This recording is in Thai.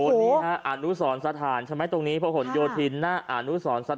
นี่ฮะอ่านุสรสถานใช่ไหมตรงนี้โบราณหยวทินนะอ่านุสรสถาน